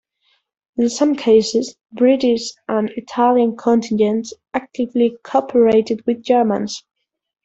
In some cases, British and Italian contingents actively cooperated with Germans.